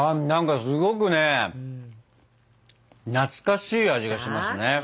なんかすごくね懐かしい味がしますね。